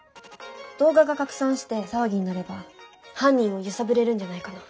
動画が拡散して騒ぎになれば犯人を揺さぶれるんじゃないかな。